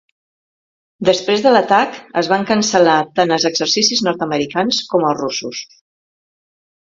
Després de l'atac, es van cancel·lar tant els exercicis nord-americans com els russos.